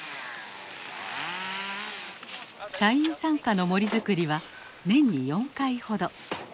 社員参加の森づくりは年に４回ほど。